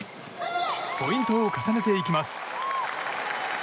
ポイントを重ねていきます。